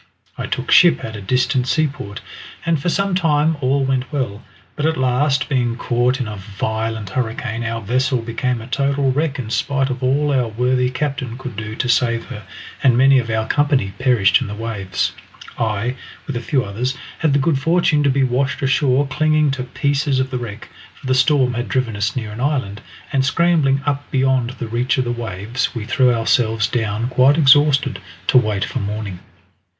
I took ship at a distant seaport, and for some time all went well, but at last, being caught in a violent hurricane, our vessel became a total wreck in spite of all our worthy captain could do to save her, and many of our company perished in the waves. I, with a few others, had the good fortune to be washed ashore clinging to pieces of the wreck, for the storm had driven us near an island, and scrambling up beyond the reach of the waves we threw ourselves down quite exhausted, to wait for morning.